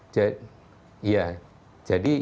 jadi yang kedua